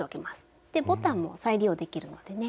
ボタンも再利用できるのでね